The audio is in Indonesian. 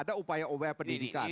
ada upaya upaya pendidikan